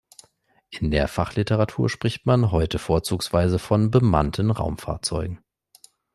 In der Fachliteratur spricht man heute vorzugsweise von bemannten Raumfahrzeugen.